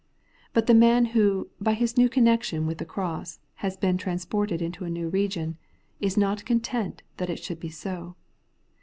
But the man who, by his new connection with the cross, has been transported into a new region, is not content that it should be so.